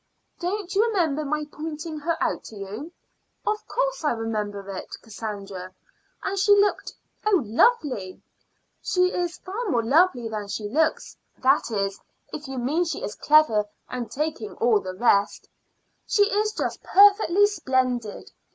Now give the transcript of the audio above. "Don't you remember my pointing her out to you?" "Of course I remember it, Cassandra; and she looked oh, lovely!" "She is far more lovely than she looks that is, if you mean she is clever and taking and all the rest. She is just perfectly splendid.